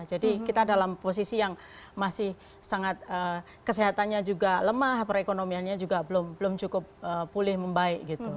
jadi kita dalam posisi yang masih sangat kesehatannya juga lemah perekonomiannya juga belum cukup pulih membaik gitu